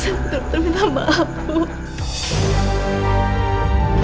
saya betul betul minta maaf bu